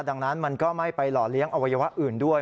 ดังนั้นมันก็ไม่ไปหล่อเลี้ยงอวัยวะอื่นด้วย